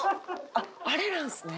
あっあれなんですね。